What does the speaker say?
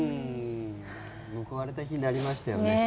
報われた日になりましたよね。